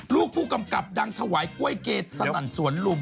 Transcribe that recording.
ลูกผู้กำกับดังถวายกล้วยเกดสนั่นสวนลุม